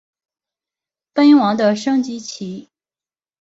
奔王的升级棋。